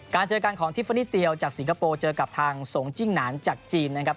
เจอกันของทิฟเฟอร์นิเตียวจากสิงคโปร์เจอกับทางสงจิ้งหนานจากจีนนะครับ